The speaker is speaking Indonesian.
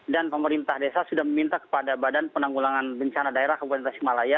dan pemerintah desa sudah meminta kepada badan penanggulangan bencana daerah kabupaten tasikmalaya